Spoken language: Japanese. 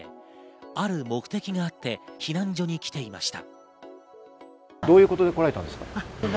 ある目的があって避難所に来ていました。